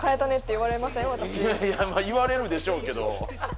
言われるでしょうけど。